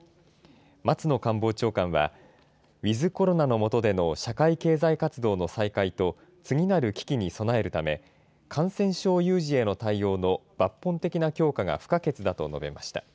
松野官房長官は、ウィズコロナの下での社会経済活動の再開と、次なる危機に備えるため、感染症有事への対応の抜本的な強化が不可欠だと述べました。